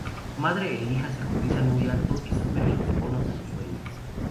Madre e hija se cotizan muy alto y suben los bonos de sus sueños.